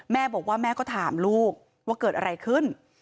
แม่บอกว่าแม่ก็ถามลูกว่าเกิดอะไรขึ้น